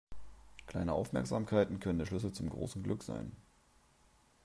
Kleine Aufmerksamkeiten können der Schlüssel zum großen Glück sein.